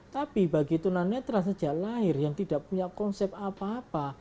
tapi bagi tunanetra sejak lahir yang tidak punya konsep apa apa